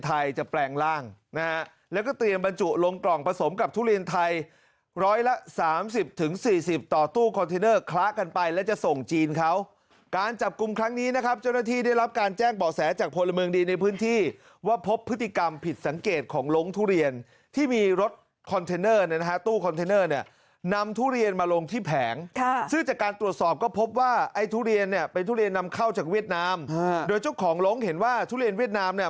ไทยจะแปลงร่างนะฮะแล้วก็เตรียมบรรจุลงกล่องผสมกับทุเรียนไทยร้อยละ๓๐ถึง๔๐ต่อตู้คอนเทนเนอร์คล้ากันไปและจะส่งจีนเขาการจับกลุ่มครั้งนี้นะครับเจ้าหน้าที่ได้รับการแจ้งเป่าแสจากพลเมืองดีในพื้นที่ว่าพบพฤติกรรมผิดสังเกตของล้มทุเรียนที่มีรถคอนเทนเนอร์นะฮะตู้คอนเทนเน